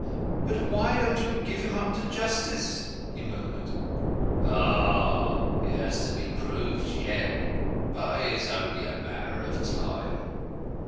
"But why don't you give him up to justice?" he murmured. "Ah it has to be proved yet. But it is only a matter of time."